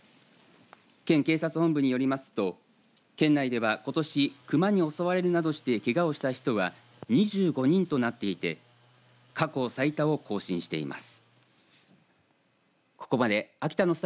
県警察本部によりますと県内ではことし熊に襲われるなどしてけがをした人は２５人となっていて過去最多を更新しています。